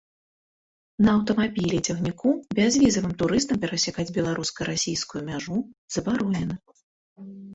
На аўтамабілі і цягніку бязвізавым турыстам перасякаць беларуска-расійскую мяжу забаронена.